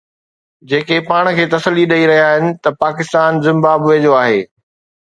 جيڪي پاڻ کي تسلي ڏئي رهيا آهن ته پاڪستان زمبابوي جو آهي